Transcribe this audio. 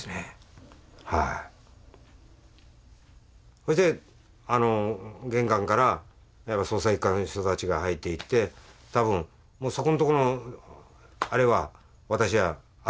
そして玄関から捜査一課の人たちが入っていって多分もうそこんとこのあれは私はあとから入っていったけんですね。